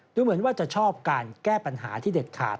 ดูเหมือนว่าจะชอบการแก้ปัญหาที่เด็ดขาด